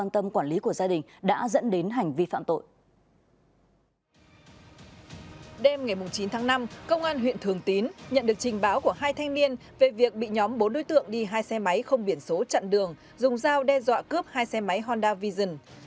tình báo của hai thanh niên về việc bị nhóm bốn đối tượng đi hai xe máy không biển số trận đường dùng dao đe dọa cướp hai xe máy honda vision